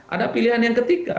ada pilihan yang ketiga